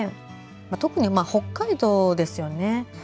特に北海道ですよね。